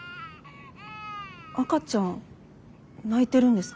赤ちゃん泣いてるんですか？